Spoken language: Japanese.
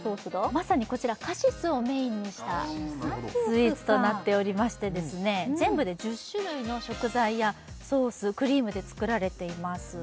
まさにこちらカシスをメインにしたスイーツとなっておりまして全部で１０種類の食材やソースクリームで作られています